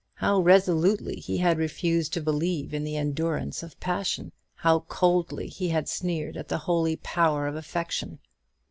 How resolutely he had refused to believe in the endurance of passion! how coldly he had sneered at the holy power of affection!